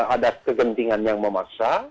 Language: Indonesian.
ada kegentingan yang memaksa